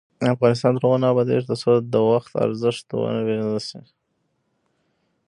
افغانستان تر هغو نه ابادیږي، ترڅو د وخت ارزښت ونه پیژندل شي.